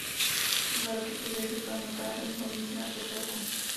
O dva roky později se stal notářem v Lomnici nad Popelkou.